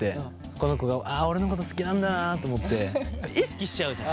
この子俺のこと好きなんだなと思って意識しちゃうじゃん？